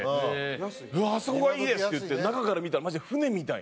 「あそこがいいです！」って言って中から見たらマジで船みたいな。